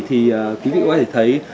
thì quý vị có thể thấy